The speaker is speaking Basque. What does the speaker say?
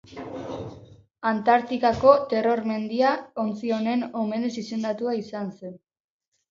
Antartikako Terror mendia ontzi honen omenez izendatua izan zen.